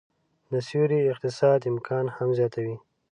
د سیوري اقتصاد امکان هم زياتوي